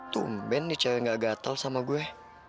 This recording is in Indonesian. tumben nih cewek gak gatel sama gue